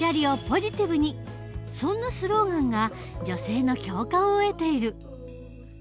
そんなスローガンが女性の共感を得ている。